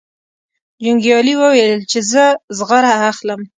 جنګیالي وویل چې زه زغره اخلم.